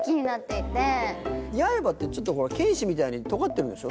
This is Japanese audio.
八重歯って犬歯みたいにとがってるでしょ。